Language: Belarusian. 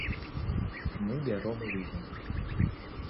Мы бяром у лізінг.